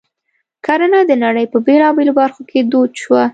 کرنه د نړۍ په بېلابېلو برخو کې دود شوه.